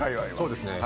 そうですね。